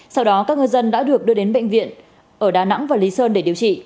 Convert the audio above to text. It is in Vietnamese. sau đó các ngư dân đã được đưa đến bệnh viện ở đà nẵng và lý sơn để điều trị